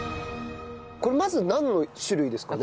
これまずなんの種類ですかね？